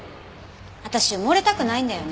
私埋もれたくないんだよね。